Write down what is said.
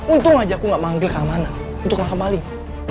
untung aja aku gak manggil keamanan untuk ngakak baling